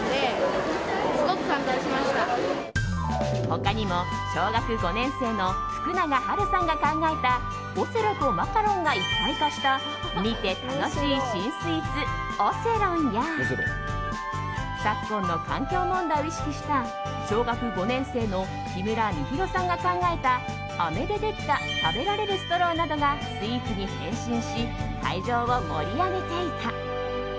他にも小学５年生の福永晴さんが考えたオセロとマカロンが一体化した見て楽しい新スイーツオセロンや昨今の環境問題を意識した小学５年生の木村美尋さんが考えたあめでできた食べられるストローなどがスイーツに変身し会場を盛り上げていた。